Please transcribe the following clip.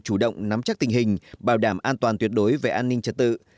chủ động nắm chắc tình hình bảo đảm an toàn tuyệt đối về an ninh trật tự